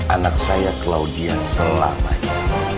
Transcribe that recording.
anak saya claudia selamanya